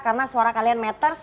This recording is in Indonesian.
karena suara kalian matters